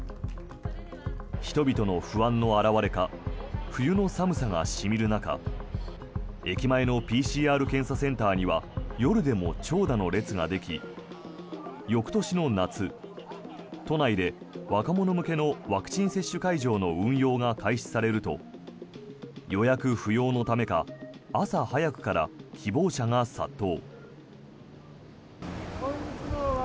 人々の不安の表れか冬の寒さが染みる中駅前のＰＣＲ検査センターには夜でも長蛇の列ができ翌年の夏、都内で若者向けのワクチン接種会場の運用が開始されると予約不要のためか朝早くから希望者が殺到。